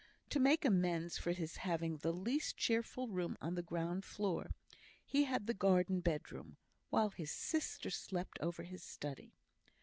To make amends for his having the least cheerful room on the ground floor, he had the garden bedroom, while his sister slept over his study.